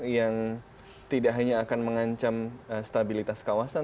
yang tidak hanya akan mengancam stabilitas kawasan